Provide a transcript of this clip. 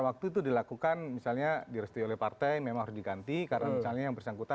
waktu itu dilakukan misalnya direstui oleh partai memang harus diganti karena misalnya yang bersangkutan